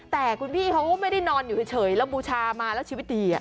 แต่คุณพี่เขาก็ไม่ได้นอนอยู่เฉยแล้วบูชามาแล้วชีวิตดี